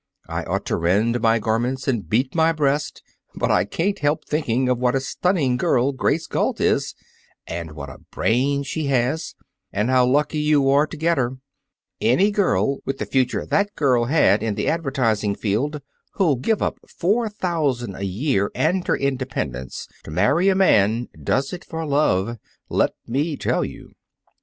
I ought to rend my garments and beat my breast, but I can't help thinking of what a stunning girl Grace Galt is, and what a brain she has, and how lucky you are to get her. Any girl with the future that girl had in the advertising field who'll give up four thousand a year and her independence to marry a man does it for love, let me tell you.